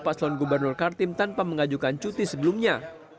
salah satu paslon gubernur kaltim tanpa mengajukan cuti sebelumnya